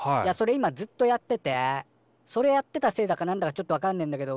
今ずっとやっててそれやってたせいだかなんだかちょっとわかんねえんだけど